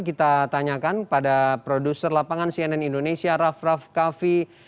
kita tanyakan pada produser lapangan cnn indonesia raff raff kaffi